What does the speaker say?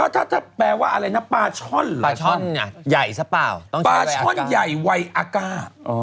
ถ้าแปลว่าอะไรนะปลาช่อนหรือปลาช่อนปลาช่อนอ่ะใหญ่ซะเปล่าต้องใช้วัยอากาปลาช่อนใหญ่วัยอากา